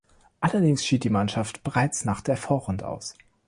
Allerdings schied die Mannschaft bereits nach der Vorrunde aus.